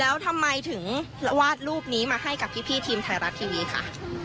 แล้วทำไมถึงวาดรูปนี้มาให้กับพี่ทีมไทยรัฐทีวีค่ะ